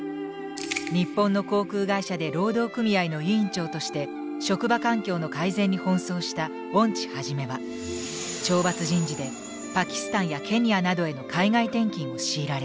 日本の航空会社で労働組合の委員長として職場環境の改善に奔走した恩地元は懲罰人事でパキスタンやケニアなどへの海外転勤を強いられる。